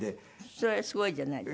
それすごいじゃないですか。